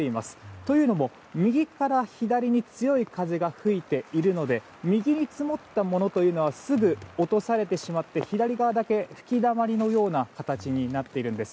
というのも、右から左に強い風が吹いているので右に積もったものはすぐ落とされてしまって左側だけ吹きだまりのような形になっているんです。